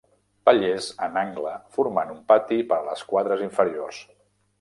Pallers en angle formant un pati per a les quadres inferiors.